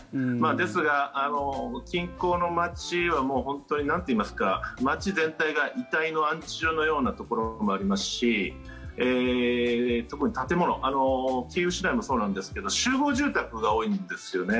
ですが、近郊の街は本当になんといいますか街全体が遺体の安置所みたいなところもありますし特に建物キーウ市内もそうなんですが集合住宅が多いんですよね。